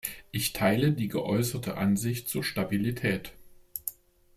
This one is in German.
Ich teile die geäußerte Ansicht zur Stabilität.